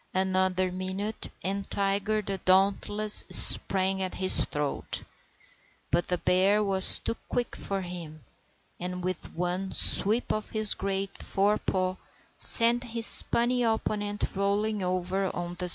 Another minute, and Tiger the dauntless sprang at his throat. But the bear was too quick for him, and with one sweep of his great fore paw sent his puny opponent rolling over on the snow.